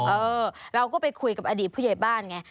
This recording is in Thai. เออเราก็ไปคุยกับอดีตผู้ใหญ่บ้านไง